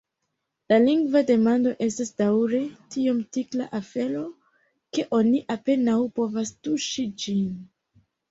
La lingva demando estas daŭre tiom tikla afero, ke oni apenaŭ povas tuŝi ĝin.